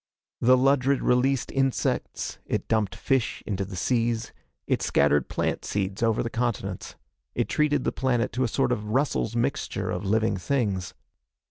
The Ludred released insects, it dumped fish into the seas. It scattered plant seeds over the continents. It treated the planet to a sort of Russell's Mixture of living things.